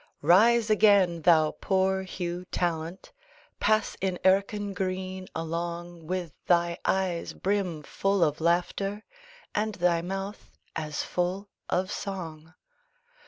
Rise again, thou poor Hugh Tallant! Pass in erkin green along With thy eyes brim full of laughter, And thy mouth as full of song.